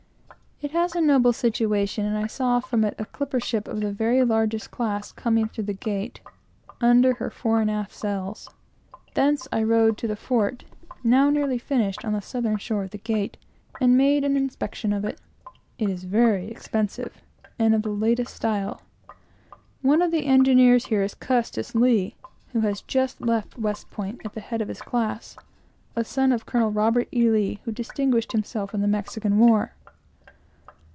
It has a noble situation, and I saw from it a clipper ship of the very largest class, coming through the Gate, under her fore and aft sails. Thence I rode to the Fort, now nearly finished, on the southern shore of the Gate, and made an inspection of it. It is very expensive and of the latest style. One of the engineers here is Custis Lee, who has just left West Point at the head of his class, a son of Colonel Robert E. Lee, who distinguished himself in the Mexican War.